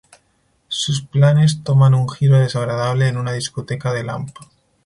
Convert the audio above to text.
Sus planes toman un giro desagradable en una discoteca del hampa.